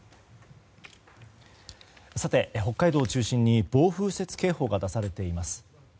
北海道中心に暴風雪警報が出されています。